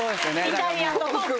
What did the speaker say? イタリアンとトークと。